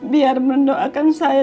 biar mendoakan saya